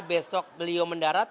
besok beliau mendarat